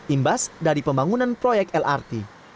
imbas dari pembangunan proyek lrt